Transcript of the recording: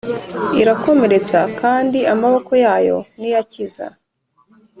Irakomeretsa, Kandi amaboko yayo ni yo akiza.